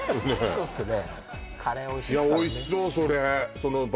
そうですね